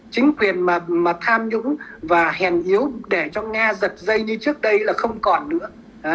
chính quyền tham nhũng và hèn yếu để cho nga giật dây như trước đây là không còn nữa